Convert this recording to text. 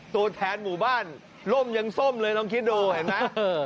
ตัวแทนหมู่บ้านร่มยังส้มเลยลองคิดดูเห็นไหม